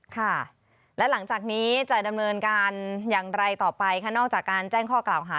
ค่ะและหลังจากนี้จะดำเนินการอย่างไรต่อไปค่ะนอกจากการแจ้งข้อกล่าวหา